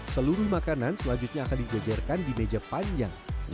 seluruh makanan selanjutnya akan dijajarkan di meja panjang